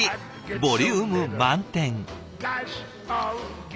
ボリューム満点。